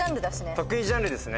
得意ジャンルですね。